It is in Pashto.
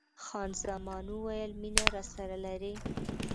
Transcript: خان زمان وویل: مینه راسره لرې؟